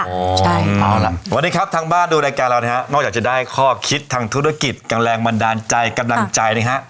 เอาล่ะวันนี้ครับทางบ้านดูรายการเรานะฮะนอกจากจะได้ข้อคิดทางธุรกิจกับแรงบันดาลใจกำลังใจนะฮะ